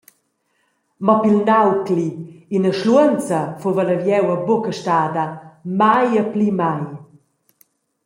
Mo pil naucli, ina schluonza fuva la vieua buca stada, mai e pli mai.